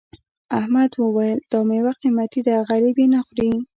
احمد وویل دا میوه قيمتي ده غريب یې نه خوري.